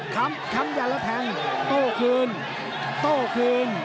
ค้ำยันแล้วแทงโต้คืนโต้คืน